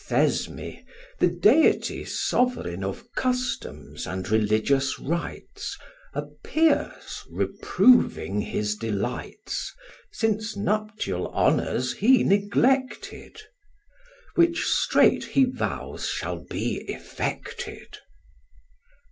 Thesme, the deity sovereign Of customs and religious rites, Appears, reproving his delights, Since nuptial honours he neglected; Which straight he vows shall be effected.